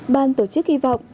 ban tổ chức hy vọng